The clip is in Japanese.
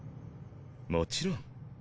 もちろん。